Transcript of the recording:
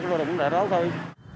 tôi cũng là đó thôi